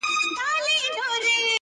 • ږغ د پاولیو شرنګ د بنګړیو -